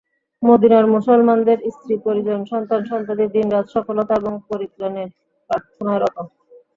মদীনার মুসলমানদের স্ত্রী-পরিজন, সন্তান-সন্ততি, দিন-রাত সফলতা এবং পরিত্রাণের প্রার্থনায় রত।